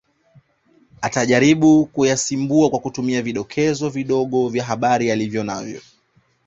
Atajaribu kuyasimbua kwa kutumia vidokezo kidogo vya habari alivyonavyo